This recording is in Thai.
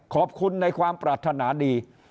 ขอบคุณในความปรารถนาดี